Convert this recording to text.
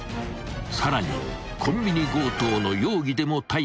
［さらにコンビニ強盗の容疑でも逮捕となった］